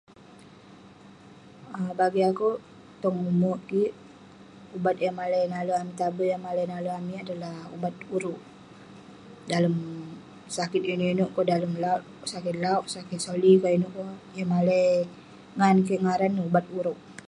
um bagi'k akouk, tong ume' kik, ubat yah malai nalek amik tong adui, malai nalek amik adalah ubat urouk..dalem sakit inouk inouk keh, dalem lauwk, sakit lauwk..sakit soli kah, inouk kah ..yah malai ngan kik ngaren neh ubat urouk..